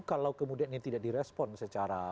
kalau kemudian ini tidak direspon secara